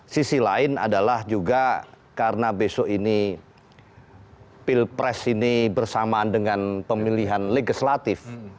sisi lain adalah juga karena besok ini pilpres ini bersamaan dengan pemilihan legislatif